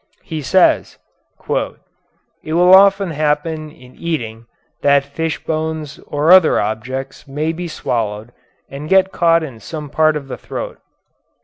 He says: "It will often happen in eating that fishbones or other objects may be swallowed and get caught in some part of the throat.